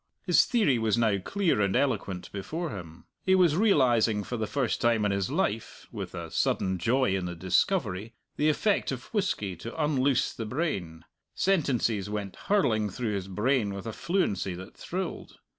His theory was now clear and eloquent before him. He was realizing for the first time in his life (with a sudden joy in the discovery) the effect of whisky to unloose the brain; sentences went hurling through his brain with a fluency that thrilled.